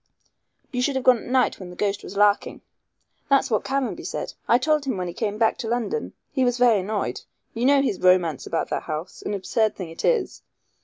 "You should have gone at night when the ghost was larking." "That's what Caranby said. I told him when he came back to London. He was very annoyed. You know his romance about that house an absurd thing it is.